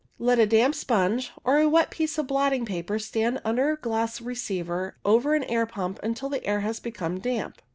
Let a damp sponge or a piece of wet blotting paper stand under a glass CLOUD FORMATION 91 receiver over an air pump until the air has become damp.